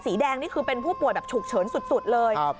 สีแดงนี่คือเป็นผู้ป่วยแบบฉุกเฉินสุดเลย